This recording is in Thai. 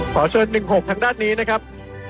ขอเชิญ๑๖ทางด้านนี้นะครับ